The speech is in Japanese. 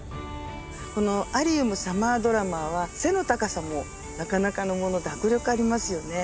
このアリウムサマードラマーは背の高さもなかなかのもので迫力ありますよね。